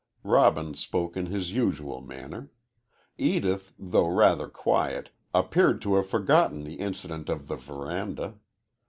Robin spoke in his usual manner. Edith, though rather quiet, appeared to have forgotten the incident of the veranda.